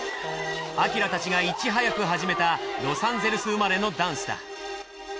ＡＫＩＲＡたちがいち早く始めたロサンゼルス生まれのダンスだ。